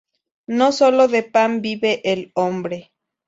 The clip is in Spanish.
No solo de pan vive el hombre